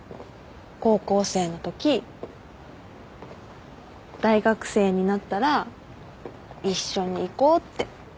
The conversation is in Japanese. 高校生のとき大学生になったら一緒に行こうって。